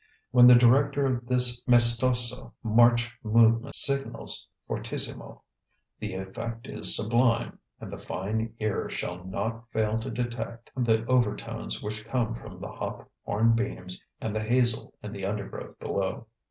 When the director of this maestoso March movement signals fortissimo the effect is sublime and the fine ear shall not fail to detect the overtones which come from the hop hornbeams and the hazel in the undergrowth below.